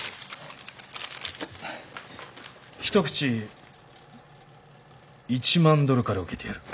一口１万ドルから受けてやる。